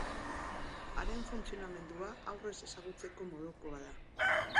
Haren funtzionamendua aurrez ezagutzeko modukoa da.